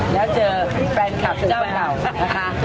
และเจอแฟนคลับเจ้าเก่าค่ะ